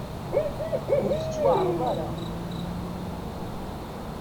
Ur tettwaεerḍeḍ ara.